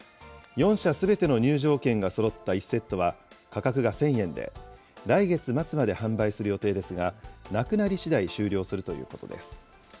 ４社すべての入場券がそろった１セットは価格が１０００円で、来月末まで販売する予定ですが、なくなりしだい終了するということです。